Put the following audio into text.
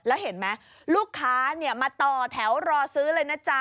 แล้วเห็นไหมลูกค้ามาต่อแถวรอซื้อเลยนะจ๊ะ